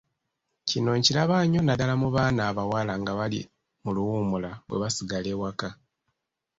Kino nkiraba nnyo naddala mu baana abawala nga bali mu luwummula bwe basigla ewaka.